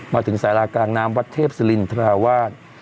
มาถึงสารากลางน้ำวัดเทพศิรินทราวาส